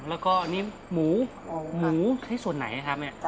แล้วก็นี่หมูหมูใช้ส่วนไหนครับเนี่ย